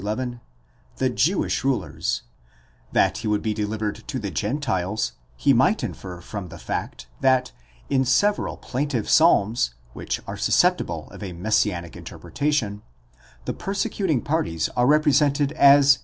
11), the Jewish rulers ; that he would be de livered to the Gentiles, he might infer from the fact, that in several plaintive psalms, which are susceptible of a messianic interpretation, the persecuting parties are represented as D'YW, i.